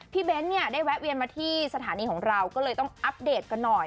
เบ้นเนี่ยได้แวะเวียนมาที่สถานีของเราก็เลยต้องอัปเดตกันหน่อย